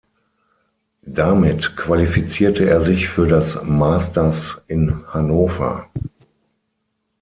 Damit qualifizierte er sich für das Masters in Hannover.